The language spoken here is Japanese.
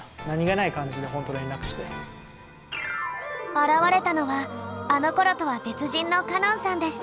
現れたのはあのころとは別人の歌音さんでした。